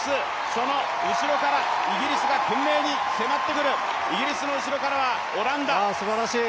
その後ろからイギリスが懸命に迫ってくるイギリスの後ろからはオランダ。